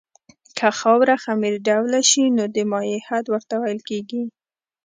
که خاوره خمیر ډوله شي نو د مایع حد ورته ویل کیږي